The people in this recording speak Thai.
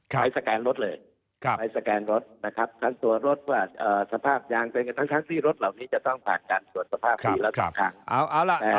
ใช้สแกนรถเลยใช้สแกนรถนะครับทั้งตัวรถว่าสภาพยางเป็นกันทั้งที่รถเหล่านี้จะต้องผ่านการตรวจสภาพปีละ๒ครั้ง